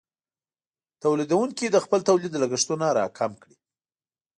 تولیدونکې د خپل تولید لګښتونه راکم کړي.